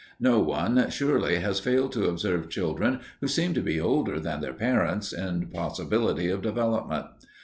No one, surely, has failed to observe children who seem to be older than their parents in possibility of development.